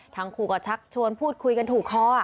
ทั้งคู่ก็ชักชวนพูดคุยกันถูกคอ